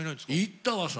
行ったわさ。